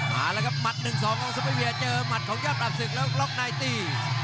มาแล้วครับมัดหนึ่งสองของซุปเปอร์เบียร์เจอมัดของยอดประสึกแล้วล็อกไนท์ตี